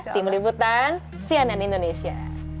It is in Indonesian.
tim liputan cnn indonesia